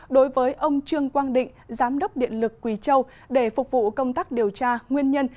đối với ông trương quang định giám đốc điện lực quỳ châu để phục vụ công tác điều tra nguyên nhân